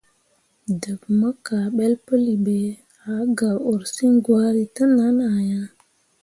Ɗəḅ mo kaaɓəl pəli ɓe, a gak ursəŋ gwari təʼnan ah ya.